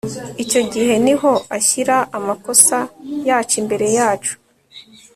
Icyo gihe ni ho ashyira amakosa yacu imbere yacu